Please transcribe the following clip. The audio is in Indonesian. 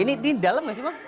ini di dalam gak sih bang